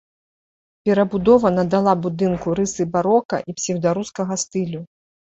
Перабудова надала будынку рысы барока і псеўдарускага стылю.